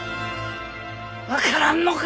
分からぬのか。